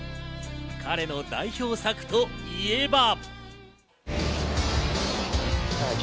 彼の代表作といえば。